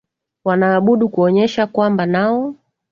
wanaabudu kuonyesha kwamba nao